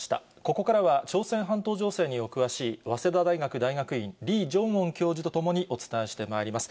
ここからは朝鮮半島情勢にお詳しい、早稲田大学大学院、リー・ジョンウォン教授と共にお伝えしてまいります。